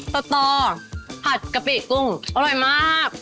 ต่อผัดกะปิกุ้งอร่อยมาก